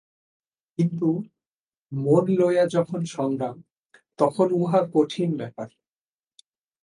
কিন্তু মন লইয়াই যখন সংগ্রাম, তখন উহা কঠিন ব্যাপার।